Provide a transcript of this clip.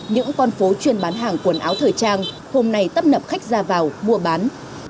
những con phố chuyên bán hàng quần áo thời trang hôm nay tấp nập khách ra vào mua bán